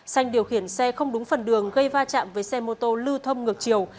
xanh điều khiển xe không đúng phần đường gây va chạm với xe mô tô lưu thông ngược chiều